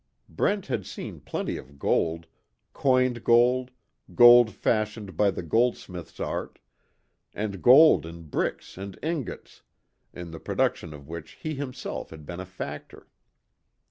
Brent had seen plenty of gold coined gold, gold fashioned by the goldsmith's art, and gold in bricks and ingots, in the production of which he himself had been a factor.